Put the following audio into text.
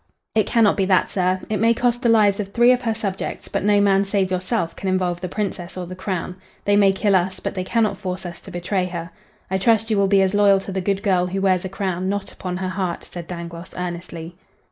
"It cannot be that, sir. It may cost the lives of three of her subjects, but no man save yourself can involve the Princess or the Crown. They may kill us, but they cannot force us to betray her. I trust you will be as loyal to the good girl who wears a crown, not upon her heart," said Dangloss, earnestly.